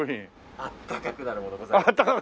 あったかくなるものございます。